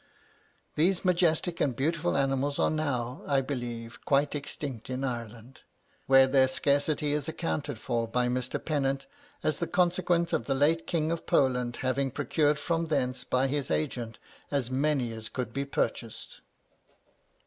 These majestic and beautiful animals are now, I believe, quite extinct in Ireland, where their scarcity is accounted for by Mr. Pennant as 'the consequence of the late King of Poland having procured from thence by his agents as many as could be purchased.'